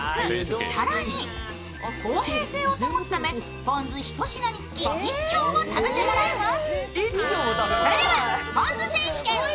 更に公平性を保つためポン酢ひと品につき１丁を食べてもらいます。